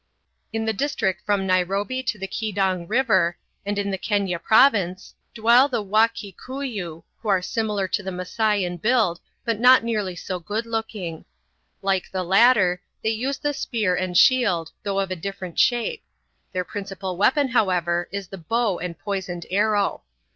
In the district from Nairobi to the Kedong River, and in the Kenya Province, dwell the Wa Kikuyu, who are similar to the Masai in build, but not nearly so good looking. Like the latter, they use the spear and shield, though of a different shape; their principal weapon, however, is the bow and poisoned arrow.